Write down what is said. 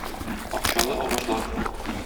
Акчалы агачлар